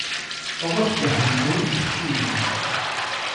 Ort der Handlung ist Hamburg.